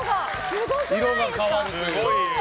色が変わる。